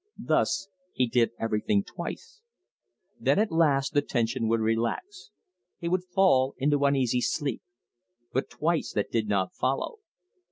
Thus he did everything twice. Then at last the tension would relax. He would fall into uneasy sleep. But twice that did not follow.